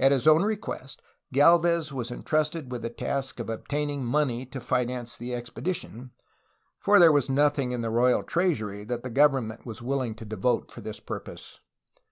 At his own request Gdlvez was entrusted with the task of obtaining money to finance the expedition, for there was nothing in the royal treasury that the government was JOSfi DE GALVEZ 211 willing to devote to this purpose.